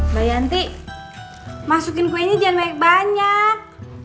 mbak yanti masukin kuenya jangan banyak banyak